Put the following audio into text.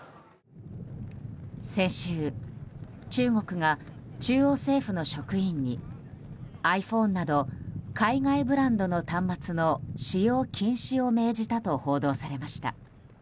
先週、中国が中央政府の職員にｉＰｈｏｎｅなど海外ブランドの端末の使用禁止を命じたと報道されました。